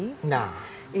nah itu benar sekali